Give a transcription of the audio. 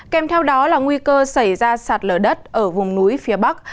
kèm theo đó là nguy cơ xảy ra sạt lở đất ở vùng núi phía bắc